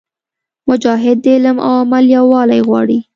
مجاهد د علم او عمل یووالی غواړي.